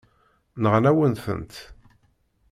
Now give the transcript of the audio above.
Nɣan-awen-tent.